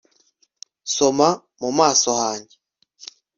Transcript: soma mu maso hanjye